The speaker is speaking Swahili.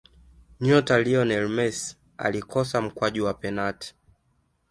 nyota lionel messi alikosa mkwaju wa penati